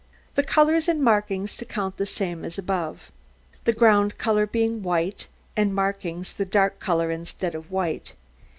The colours and markings to count the same as the above. The ground colour being white, and markings the dark colour instead of white.